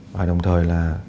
và đồng thời là